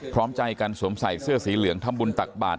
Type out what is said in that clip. พร้อมใจกันสวมใส่เสื้อสีเหลืองทำบุญตักบาท